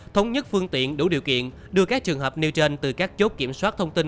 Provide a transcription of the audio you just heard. thống nhất phương tiện đủ điều kiện đưa các trường hợp nêu trên từ các chốt kiểm soát thông tin